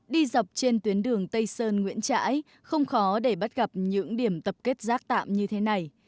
đi dọc trên tuyến đường tây sơn nguyễn trãi không khó để bắt gặp những điểm tập kết rác tạm như thế này